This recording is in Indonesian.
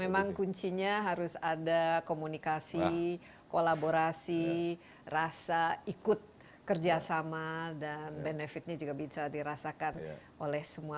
memang kuncinya harus ada komunikasi kolaborasi rasa ikut kerjasama dan benefitnya juga bisa dirasakan oleh semua